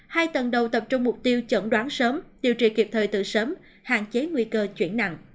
hai tầng đầu tập trung mục tiêu chẩn đoán sớm điều trị kịp thời từ sớm hạn chế nguy cơ chuyển nặng